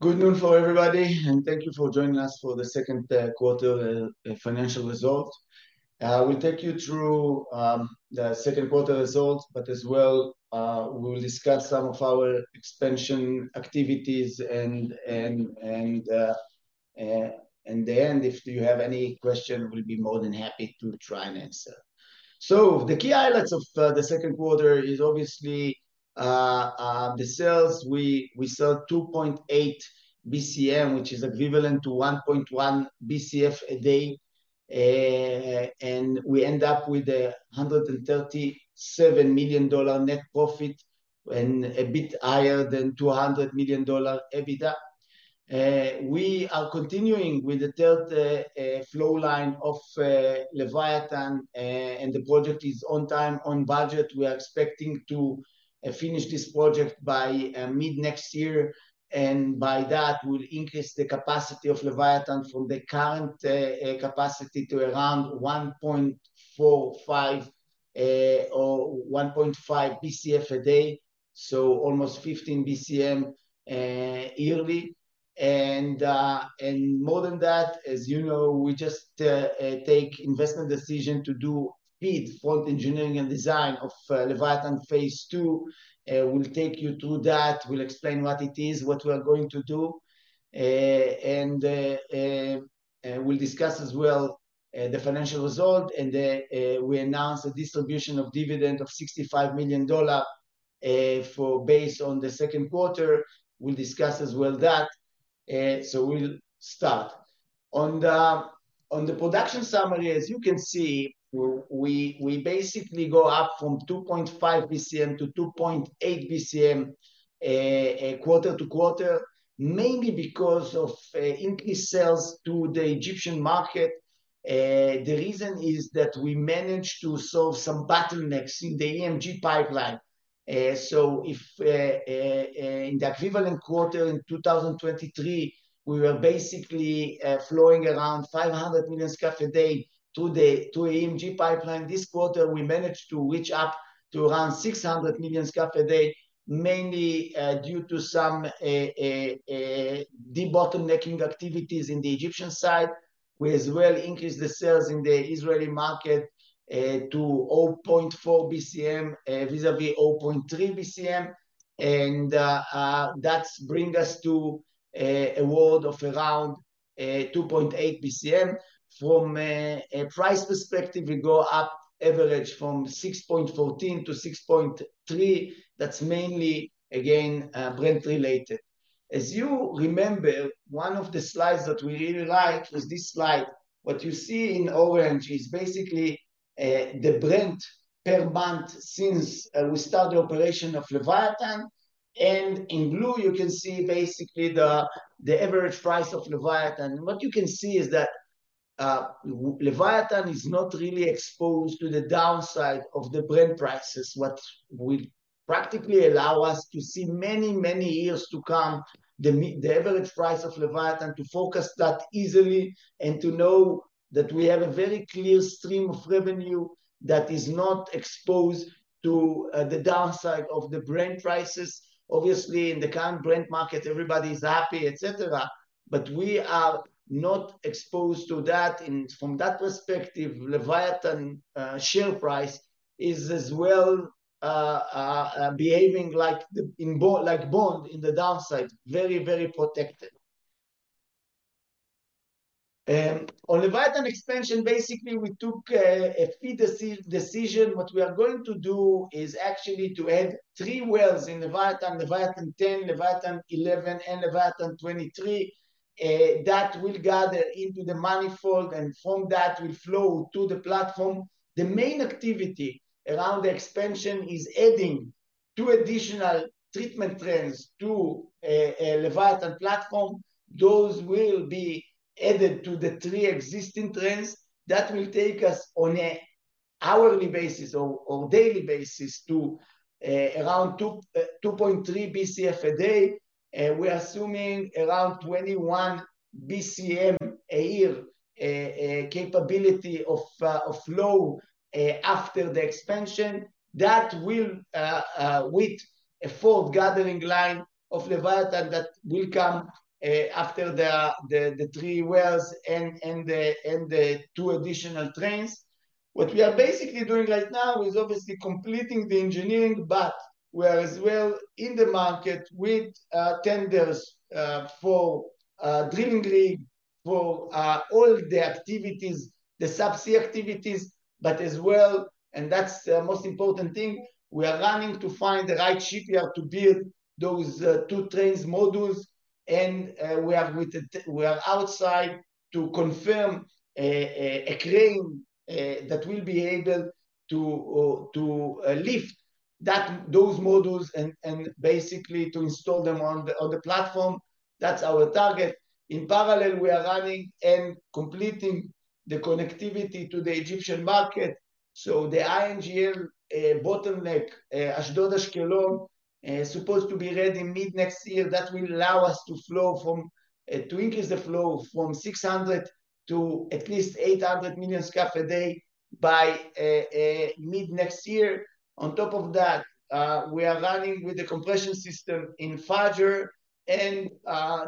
Good noon for everybody, and thank you for joining us for the second quarter financial result. We'll take you through the second quarter results, but as well, we will discuss some of our expansion activities and then if you have any question, we'll be more than happy to try and answer. So the key highlights of the second quarter is obviously the sales. We sold 2.8 BCM, which is equivalent to 1.1 BCF a day. And we end up with $137 million net profit and a bit higher than $200 million EBITDA. We are continuing with the third flow line of Leviathan, and the project is on time, on budget. We are expecting to finish this project by mid-next year, and by that, we'll increase the capacity of Leviathan from the current capacity to around 1.45 or 1.5 BCF a day, so almost 15 BCM yearly. And more than that, as you know, we just take investment decision to do FEED, front-end engineering and design of Leviathan Phase 2. We'll take you through that, we'll explain what it is, what we are going to do. And we'll discuss as well the financial result, and we announce the distribution of dividend of $65 million for based on the second quarter. We'll discuss as well that. So we'll start. On the production summary, as you can see, we basically go up from 2.5 BCM to 2.8 BCM quarter to quarter, mainly because of increased sales to the Egyptian market. The reason is that we managed to solve some bottlenecks in the EMG pipeline. So in the equivalent quarter in 2023, we were basically flowing around 500 million scf a day to the EMG pipeline. This quarter, we managed to reach up to around 600 million scf a day, mainly due to some debottlenecking activities in the Egyptian side. We as well increased the sales in the Israeli market to 0.4 BCM vis-à-vis 0.3 BCM, and that's bring us to a world of around 2.8 BCM. From a price perspective, we go up average from $6.14 to $6.3. That's mainly, again, Brent related. As you remember, one of the slides that we really liked was this slide. What you see in orange is basically the Brent per month since we started the operation of Leviathan, and in blue you can see basically the average price of Leviathan. What you can see is that, Leviathan is not really exposed to the downside of the Brent prices, what will practically allow us to see many, many years to come, the average price of Leviathan, to focus that easily, and to know that we have a very clear stream of revenue that is not exposed to, the downside of the Brent prices. Obviously, in the current Brent market, everybody is happy, et cetera, but we are not exposed to that. And from that perspective, Leviathan share price is as well, behaving like a bond, like a bond in the downside. Very, very protected. On Leviathan expansion, basically, we took a FEED decision. What we are going to do is actually to add three wells in Leviathan: Leviathan 10, Leviathan 11, and Leviathan 23. That will gather into the manifold, and from that will flow to the platform. The main activity around the expansion is adding two additional treatment trains to Leviathan platform. Those will be added to the three existing trains. That will take us on a hourly basis or daily basis to around 2.3 BCF a day, and we are assuming around 21 BCM a year capability of flow after the expansion. That will with a fourth gathering line of Leviathan that will come after the three wells and the two additional trains. What we are basically doing right now is obviously completing the engineering, but we are as well in the market with tenders for drilling rig, for all the activities, the subsea activities, but as well, and that's the most important thing, we are running to find the right shipyard to build those two trains modules. And, we are outside to confirm a crane that will be able to lift those modules and basically to install them on the platform. That's our target. In parallel, we are running and completing the connectivity to the Egyptian market, so the INGL bottleneck, Ashdod-Ashkelon, supposed to be ready mid-next year. That will allow us to flow from to increase the flow from 600 to at least 800 million scf a day by mid-next year. On top of that, we are running with the compression system in Fajr and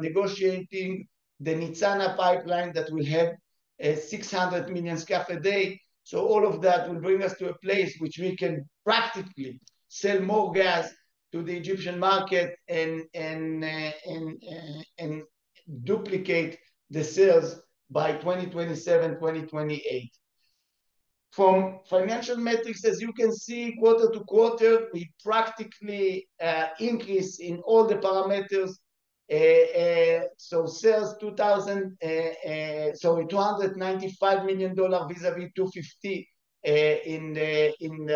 negotiating the Nitzana pipeline that will have a 600 million scf a day. So all of that will bring us to a place which we can practically sell more gas to the Egyptian market and duplicate the sales by 2027, 2028. From financial metrics, as you can see, quarter to quarter, we practically increase in all the parameters. So sales $295 million vis-à-vis $250 million in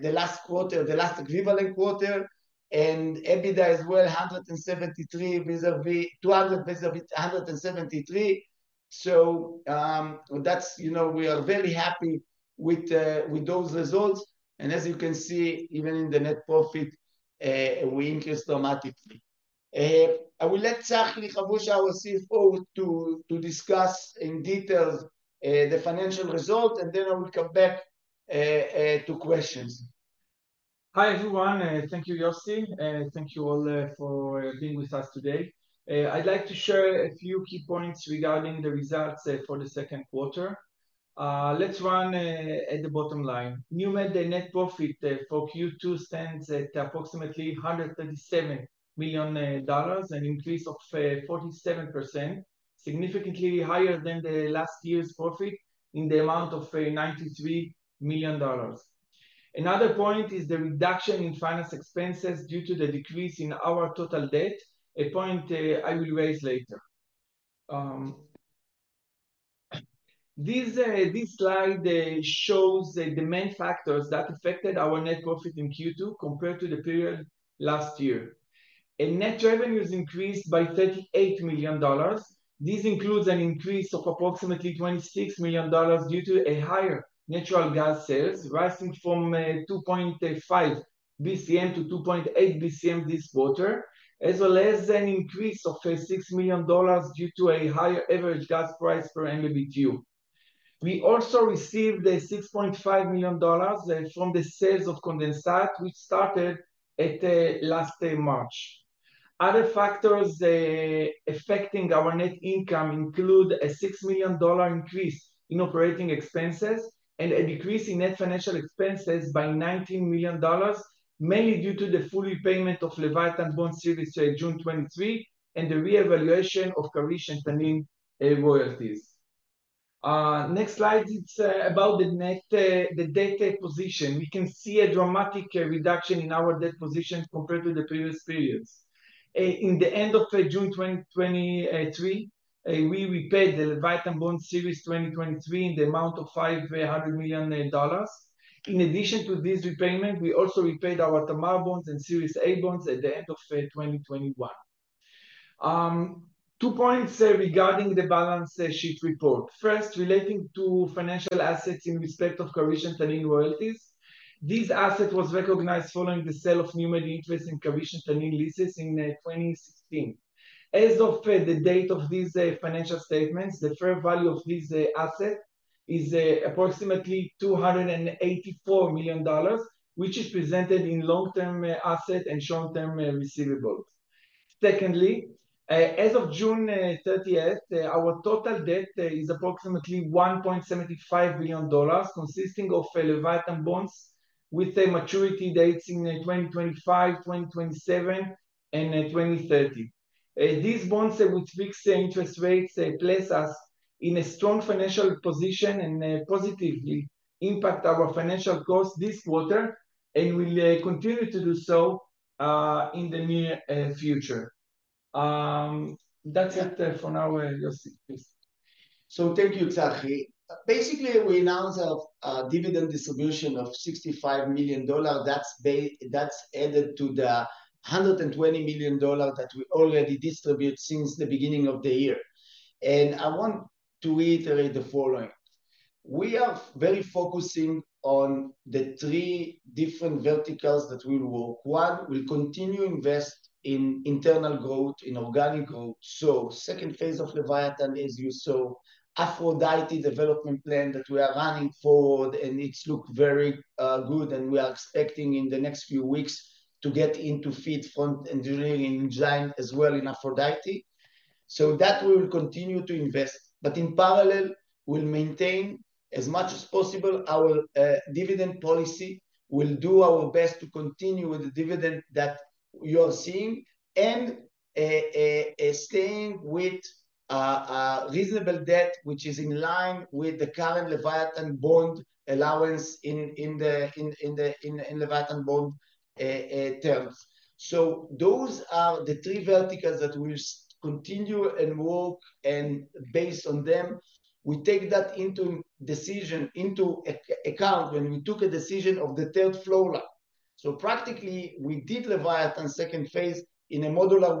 the last quarter, the last equivalent quarter. And EBITDA as well, 173 vis-a-vis 200 vis-a-vis 173. So, that's, you know, we are very happy with those results, and as you can see, even in the net profit, we increased dramatically. I will let Tzachi Habusha, our CFO, to discuss in details the financial results, and then I will come back to questions. Hi, everyone, thank you, Yossi, and thank you all for being with us today. I'd like to share a few key points regarding the results for the second quarter. Let's run at the bottom line. NewMed, the net profit for Q2 stands at approximately $137 million, an increase of 47%, significantly higher than last year's profit in the amount of $93 million. Another point is the reduction in finance expenses due to the decrease in our total debt, a point I will raise later. This slide shows the main factors that affected our net profit in Q2 compared to the period last year. In net revenues increased by $38 million. This includes an increase of approximately $26 million due to a higher natural gas sales, rising from 2.5 BCM-2.8 BCM this quarter, as well as an increase of $6 million due to a higher average gas price per MMBtu. We also received $6.5 million from the sales of condensate, which started last March. Other factors affecting our net income include a $6 million increase in operating expenses and a decrease in net financial expenses by $19 million, mainly due to the full repayment of Leviathan bond series June 2023, and the reevaluation of Karish and Tanin royalties. Next slide, it's about the net debt position. We can see a dramatic reduction in our debt position compared to the previous periods. In the end of June 2023, we repaid the Leviathan bond series 2023 in the amount of $500 million. In addition to this repayment, we also repaid our Tamar bonds and Series A bonds at the end of 2021. Two points regarding the balance sheet report. First, relating to financial assets in respect of Karish and Tanin royalties. This asset was recognized following the sale of NewMed interest in Karish and Tanin leases in 2016. As of the date of these financial statements, the fair value of this asset is approximately $284 million, which is presented in long-term asset and short-term receivables. Secondly, as of June 30, our total debt is approximately $1.75 billion, consisting of Leviathan bonds with maturity dates in 2025, 2027, and 2030. These bonds, which fix the interest rates, place us in a strong financial position and positively impact our financial costs this quarter, and will continue to do so in the near future. That's it for now, Yossi, please. So thank you, Tzachi. Basically, we announced a dividend distribution of $65 million. That's added to the $120 million that we already distribute since the beginning of the year, and I want to reiterate the following: We are very focusing on the three different verticals that we work. One, we'll continue to invest in internal growth, in organic growth. So second phase of Leviathan, as you saw, Aphrodite development plan that we are running forward, and it's looked very good, and we are expecting in the next few weeks to get into FEED, front-end engineering and design as well in Aphrodite. So that we will continue to invest, but in parallel, we'll maintain, as much as possible, our dividend policy. We'll do our best to continue with the dividend that you are seeing, and staying with reasonable debt, which is in line with the current Leviathan bond allowance in the Leviathan bond terms. So those are the three verticals that we continue and work, and based on them, we take that into account when we took a decision of the third flow line. So practically, we did Leviathan second phase in a modular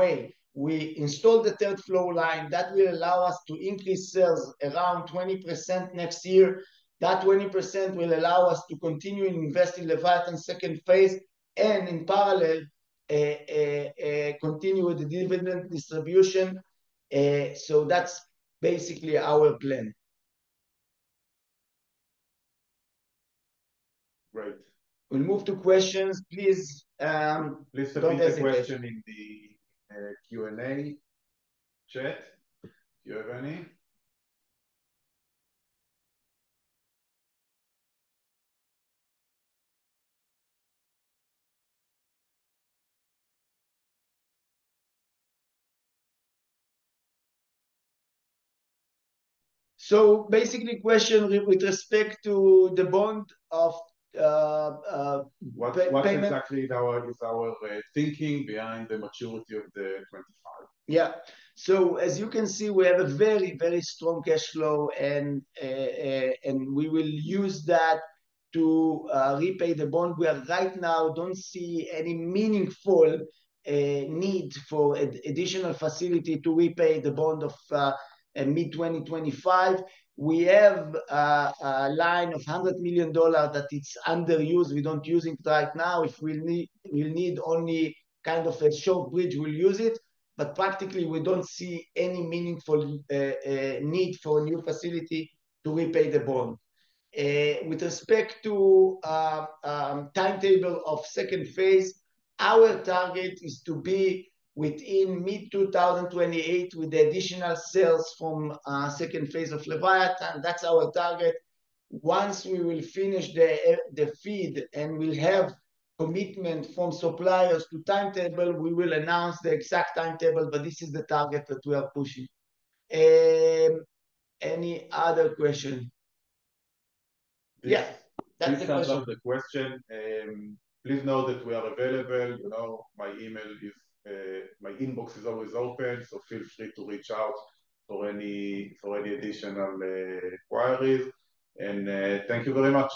way. We installed the third flow line that will allow us to increase sales around 20% next year. That 20% will allow us to continue to invest in Leviathan second phase, and in parallel continue with the dividend distribution. So that's basically our plan. Right. We'll move to questions. Please, don't hesitate- Please submit the question in the Q&A chat, if you have any. So basically, question with respect to the bond of payment- What exactly is our thinking behind the maturity of the 2025? Yeah. So as you can see, we have a very, very strong cash flow, and, and we will use that to repay the bond. We are right now don't see any meaningful need for additional facility to repay the bond of in mid-2025. We have a line of $100 million that is underused. We don't use it right now. If we need, we need only kind of a short bridge, we'll use it, but practically, we don't see any meaningful need for a new facility to repay the bond. With respect to the timetable of second phase, our target is to be within mid-2028 with the additional sales from second phase of Leviathan. That's our target. Once we will finish the FEED, and we'll have commitment from suppliers to timetable, we will announce the exact timetable, but this is the target that we are pushing. Any other question? Yeah, that's the question. Please send us the question. Please know that we are available. You know, my email is, my inbox is always open, so feel free to reach out for any, for any additional inquiries. Thank you very much.